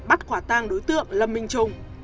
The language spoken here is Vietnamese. bắt quả tàng đối tượng lâm minh trung